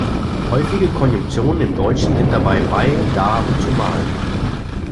Häufige Konjunktionen im Deutschen sind dabei "„weil“", "„da“" und "„zumal“".